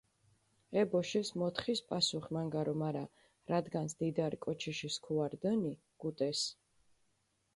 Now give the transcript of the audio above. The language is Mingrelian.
ე ბოშის მოთხის პასუხი მანგარო, მარა რადგანს დიდარი კოჩიში სქუა რდჷნი, გუტეს.